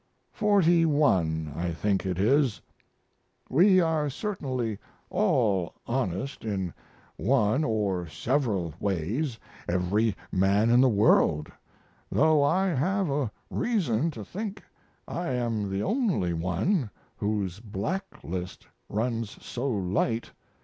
Forty one, I think it is. We are certainly all honest in one or several ways every man in the world though I have a reason to think I am the only one whose blacklist runs so light.